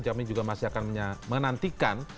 jamin juga masih akan menantikan